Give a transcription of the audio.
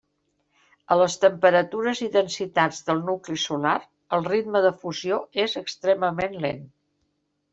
A les temperatures i densitats del nucli solar, el ritme de fusió és extremament lent.